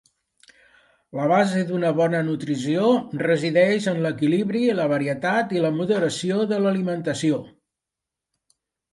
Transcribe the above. La base d'una bona nutrició resideix en l'equilibri, la varietat i la moderació de l'alimentació.